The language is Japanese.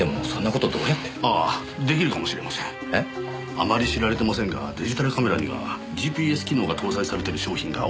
あまり知られてませんがデジタルカメラにはＧＰＳ機能が搭載されてる商品が多いんですよ。